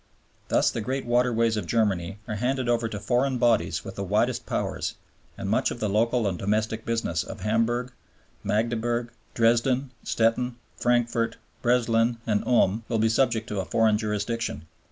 Thus the great waterways of Germany are handed over to foreign bodies with the widest powers; and much of the local and domestic business of Hamburg, Magdeburg, Dresden, Stettin, Frankfurt, Breslan, and Ulm will be subject to a foreign jurisdiction.